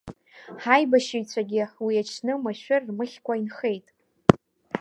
Ҳаибашьыҩцәагьы уи аҽны машәыр рмыхькәа инхеит.